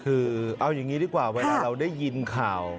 คือเอาอย่างนี้ดีกว่าเวลาเราได้ยินข่าว